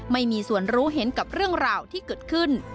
ไม่มีส่วนรู้เห็นกับเรื่องราวที่เกิดขึ้น